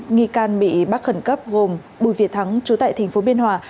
nghi can bị bắt khẩn cấp gồm bùi việt thắng chú tại tp biên hòa